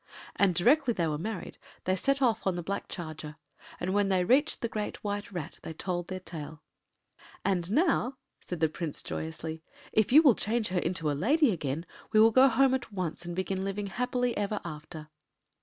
And directly they were married they set off on the black charger, and when they reached the Great White Rat they told their tale. “And now,” said the Prince joyously, “if you will change her into a lady again we will go home at once and begin living happily ever after.